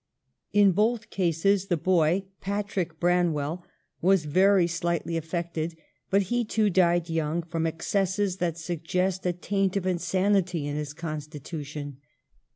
In both cases the boy, Patrick Branwell, was very slightly affected ; but he too died young, from excesses that suggest a taint of insanity in his constitution.